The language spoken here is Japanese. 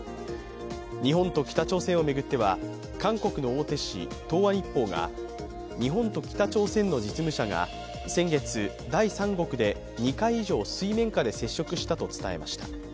日本と北朝鮮を巡っては韓国の大手紙「東亜日報」が日本と北朝鮮の実務者が先月、第三国で２回以上水面下で接触したと伝えました。